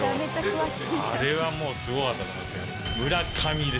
あれはもうすごかった。